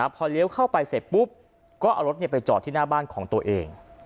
พอเลี้ยวเข้าไปเสร็จปุ๊บก็เอารถไปจอดที่หน้าบ้านของตัวเอง